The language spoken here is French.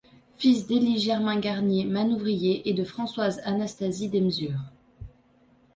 Fils d'Élie Germain Garnier, manouvrier, et de Françoise Anastasie Desmurs.